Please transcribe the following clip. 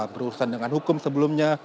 berurusan dengan hukum sebelumnya